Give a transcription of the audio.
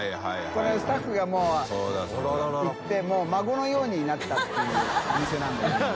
これスタッフがもう行って發孫のようになったっていうお店なんだけど。